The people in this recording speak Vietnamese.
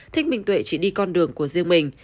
thích minh tuệ chỉ đi con đường của riêng mình